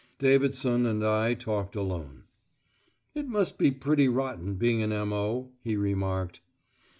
Davidson and I talked alone. "It must be pretty rotten being an M.O.," he remarked.